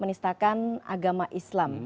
menistakan agama islam